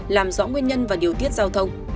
làm rõ nguyên nhân và điều tiết giao thông